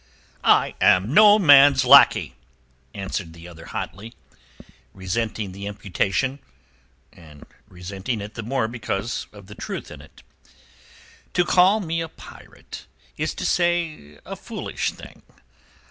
"I am no man's lackey," answered the other hotly, resenting the imputation—and resenting it the more because of the truth in it. "To call me a pirate is to say a foolish thing.